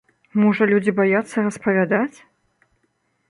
Можа людзі баяцца распавядаць?